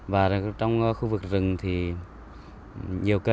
và trong khu vực này có những cái khu vực bị gió cuốn nó gió xoáy thì rất là khó điều khiển